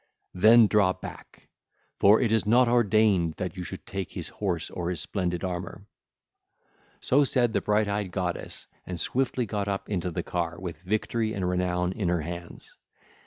Then draw back; for it is not ordained that you should take his horses or his splendid armour.' (ll. 338 349) So said the bright eyed goddess and swiftly got up into the car with victory and renown in her hands.